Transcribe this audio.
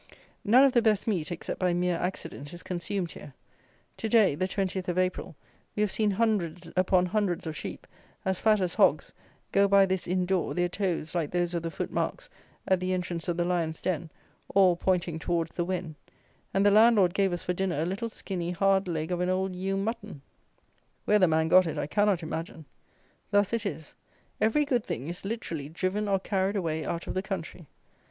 None of the best meat, except by mere accident, is consumed here. To day (the 20th of April) we have seen hundreds upon hundreds of sheep, as fat as hogs, go by this inn door, their toes, like those of the foot marks at the entrance of the lion's den, all pointing towards the Wen; and the landlord gave us for dinner a little skinny, hard leg of old ewe mutton! Where the man got it I cannot imagine. Thus it is: every good thing is literally driven or carried away out of the country.